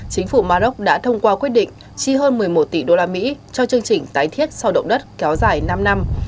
chính phủ maroc đã thông qua quyết định chi hơn một mươi một tỷ usd cho chương trình tái thiết sau động đất kéo dài năm năm